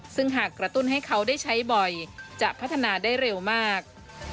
ซึ่งหากกระตุ้นให้เขาได้ใช้บ่อยจะพัฒนาได้เร็วมาก